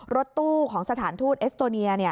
รถตู้ของสถานทูตเอสโตเนีย